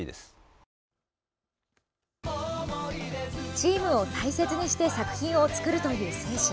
チームを大切にして作品を作るという精神。